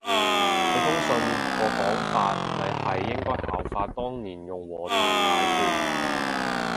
佢封信個講法咪係應該效法當年用和談解決